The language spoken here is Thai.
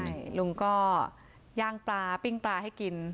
ใช่ลุงก็ย่างปลาปิ้งปลาให้กิน